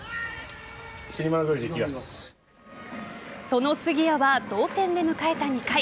その杉谷は、同点で迎えた２回。